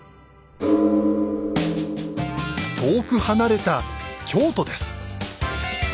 遠く離れた京都です。